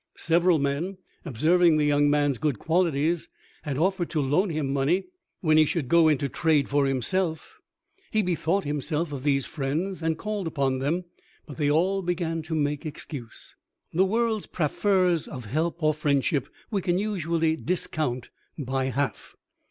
Several men, observing the young man's good qualities, had offered to loan him money when he should go into trade for himself. He bethought him of these friends, and called upon them; but they all began to make excuse. The world's proffers of help or friendship we can usually discount by half.